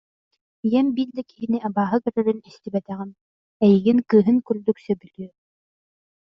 Ийэм биир да киһини абааһы көрөрүн истибэтэҕим, эйигин кыыһын курдук сөбүлүө